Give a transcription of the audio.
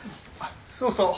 そうそう。